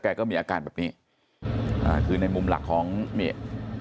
ก็มีอาการแบบนี้อ่าคือในมุมหลักของนี่